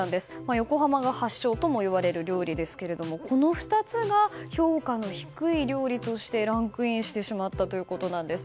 横浜が発祥ともいわれる料理ですけれどもこの２つが評価の低い料理としてランクインしてしまったということなんです。